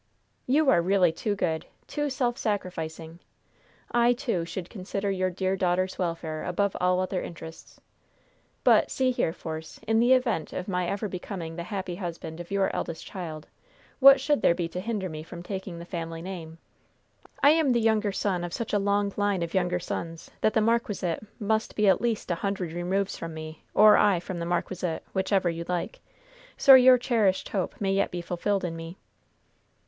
"You are really too good too self sacrificing! I, too, should consider your dear daughter's welfare above all other interests. But, see here, Force, in the event of my ever becoming the happy husband of your eldest child, what should there be to hinder me from taking the family name? I am the younger son of such a long line of younger sons that the marquisate must be at least a hundred removes from me, or I from the marquisate, whichever you like. So your cherished hope may yet be fulfilled in me."